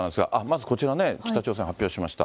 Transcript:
まずこちら、北朝鮮、発表しました。